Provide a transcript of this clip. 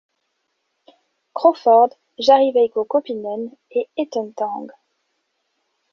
Crawford, Jari-Veikko Kauppinen et Ethan Tang.